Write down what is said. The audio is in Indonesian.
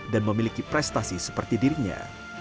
dan memiliki prestasi seperti dirinya